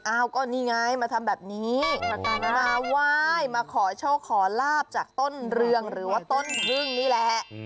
อ้าวก็นี่ไงมาทำแบบนี้มาไหว้มาขอโชคขอลาบจากต้นเรืองหรือว่าต้นพึ่งนี่แหละ